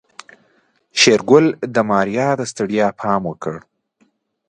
شېرګل د ماريا د ستړيا پام وکړ.